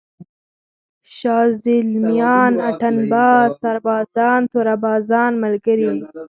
شازِلْمیان، اتڼ باز، سربازان، توره بازان ملګري!